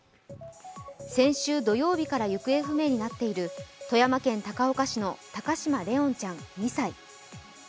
先週土曜日から行方不明になっている富山県高岡市の高嶋怜音ちゃん２歳。